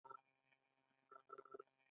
بدلون د ژوند د خوځښت ښکارندوی دی.